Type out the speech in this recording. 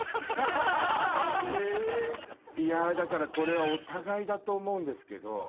だからこれはお互いだと思うんですけど。